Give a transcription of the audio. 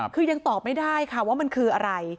คือยังตอบไม่ได้ค่ะว่ามันคืออะไร